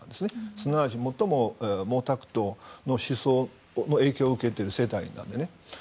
すなわち最も毛沢東の思想の影響を受けている世代なので。